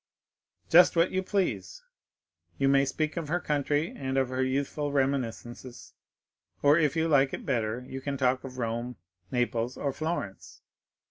"Just what you please; you may speak of her country and of her youthful reminiscences, or if you like it better you can talk of Rome, Naples, or Florence."